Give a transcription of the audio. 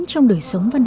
trong đời sống của mình